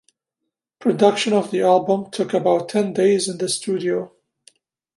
Production of the album took about ten days in the studio.